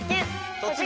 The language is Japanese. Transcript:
「突撃！